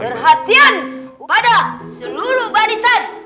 terhatian pada seluruh badisan